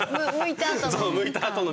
むいたあとの。